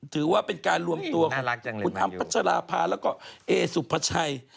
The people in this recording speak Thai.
ถือว่าเป็นการรวมตัวผมทำปัจจราภาคแล้วก็เอสุพชัย